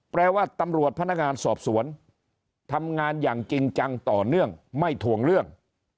แปลว่าตำรวจพนักงานสอบสวนทำงานอย่างจริงจังต่อเนื่องไม่ถวงเรื่อง